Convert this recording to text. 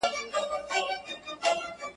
هر غاټول يې زما له وينو رنګ اخيستی.